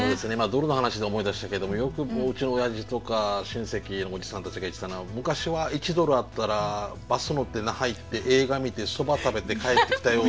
ドルの話で思い出したけれどもよくうちのおやじとか親戚のおじさんたちが言ってたのは「昔は１ドルあったらバス乗って那覇行って映画見てそば食べて帰ってきたよ」。